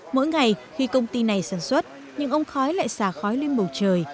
mỗi ngày khi công ty này sản xuất nhưng ông khói lại xả khói lên bầu trời